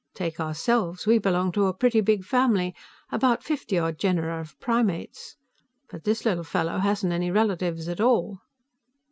Take ourselves; we belong to a pretty big family, about fifty odd genera of primates. But this little fellow hasn't any relatives at all."